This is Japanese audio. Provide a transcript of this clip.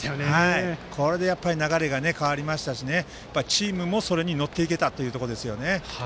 これで流れが変わりましたしチームも、それに乗っていけたということですよね。